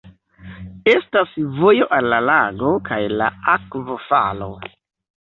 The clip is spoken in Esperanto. Estas vojo al la lago kaj la akvofalo.